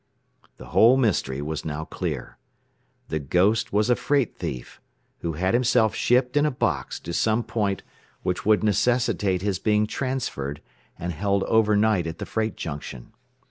The whole mystery was now clear. The "ghost" was a freight thief, who had himself shipped, in a box, to some point which would necessitate his being transferred and held over night at the freight junction.